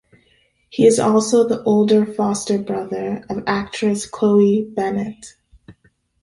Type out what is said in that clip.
He is also the older foster brother of actress Chloe Bennet.